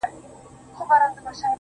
ولاكه مو په كار ده دا بې ننگه ككرۍ.